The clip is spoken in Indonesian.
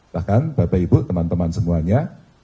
bahkan bapak ibu teman teman semuanya